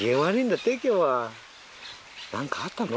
何かあったの？